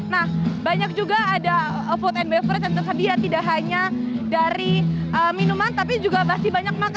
nah banyak juga ada food and beverage yang tersedia tidak hanya dari minuman tapi juga pasti banyak makanan